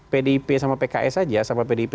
pdip sama pks aja sama pdip